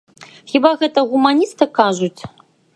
Хіба гэта гуманісты кажуць?